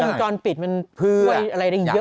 ก็งงจรปิดมันเพื่ออะไรได้เยอะกว่า